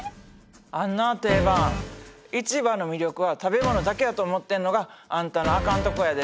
あんなあ定番一番の魅力は食べ物だけやと思ってんのがあんたのあかんとこやで。